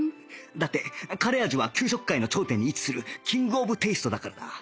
だってカレー味は給食界の頂点に位置するキングオブテイストだからだ